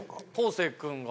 生君が？